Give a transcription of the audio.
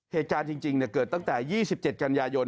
เพศจารย์จริงเนี่ยเกิดตั้งแต่๒๗กรรยายน